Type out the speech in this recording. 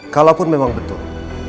kalaupun memang betul